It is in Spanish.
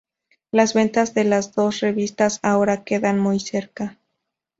Las ventas de las dos revistas ahora quedan muy cerca.